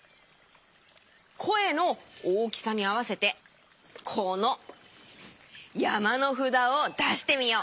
こえの大きさにあわせてこのやまのふだをだしてみよう。